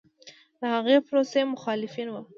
د هغې پروسې مخالفین و